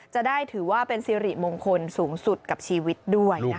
จะได้ถือว่าเป็นสิริมงคลสูงสุดกับชีวิตด้วยนะคะ